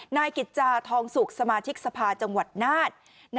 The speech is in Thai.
นายกิจจาทองสุกสมาชิกสภาจังหวัดนาฏ